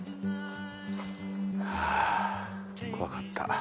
あ怖かった。